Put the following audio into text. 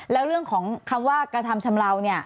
แล้วเรื่องของคำว่ากระทำชำเลาเนี่ย